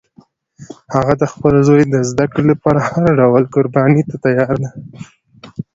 هغه د خپل زوی د زده کړې لپاره هر ډول قربانی ته تیار ده